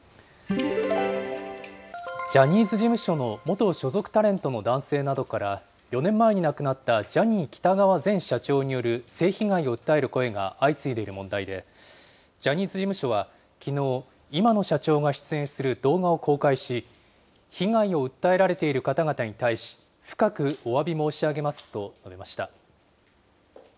ジャニーズ事務所の元所属タレントの男性などから、４年前に亡くなったジャニー喜多川前社長による性被害を訴える声が相次いでいる問題で、ジャニーズ事務所はきのう、今の社長が出演する動画を公開し、被害を訴えられている方々に対し、深くおわび申し上げますと述べました。